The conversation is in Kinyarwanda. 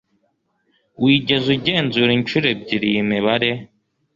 wigeze ugenzura inshuro ebyiri iyi mibare